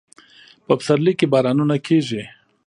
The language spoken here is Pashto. په پسرلي کې بارانونه کیږي